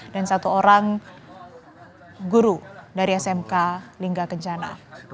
dan satu orang guru dari smk lingga kencana